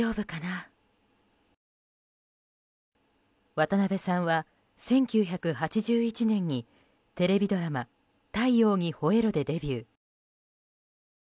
渡辺さんは１９８１年にテレビドラマ「太陽にほえろ！」でデビュー。